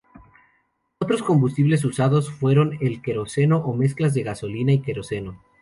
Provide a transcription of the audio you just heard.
Otros combustibles usados fueron el queroseno o mezclas de gasolina y queroseno.